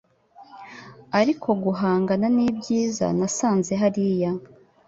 Ariko guhangana nibyiza nasanze hariya